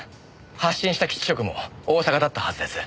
発信した基地局も大阪だったはずです。